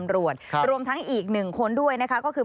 รวมทั้งอีกหนึ่งคนด้วยนะคะก็คือ